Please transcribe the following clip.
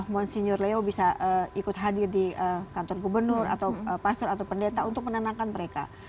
monsenyur leo bisa ikut hadir di kantor gubernur atau pastor atau pendeta untuk menenangkan mereka